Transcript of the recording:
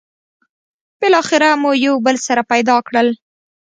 بالاخره مو یو بل سره پيدا کړل.